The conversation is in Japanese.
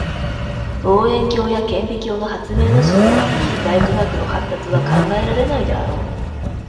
望遠鏡や顕微鏡の発明なしには近代科学の発達は考えられないであろう。